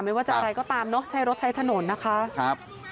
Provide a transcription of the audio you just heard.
ไม่ว่าจะอะไรก็ตามใช้รถใช้ถนนนะคะ